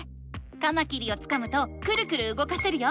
カマキリをつかむとクルクルうごかせるよ。